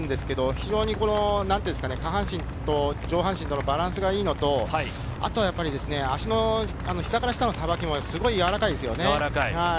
非常に下半身と上半身とのバランスがいいのと、足の膝から下のさばきもすごくやわらかいですよね。